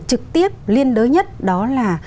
trực tiếp liên đối nhất đó là